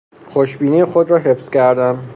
خوش بینی خود را حفظ کردن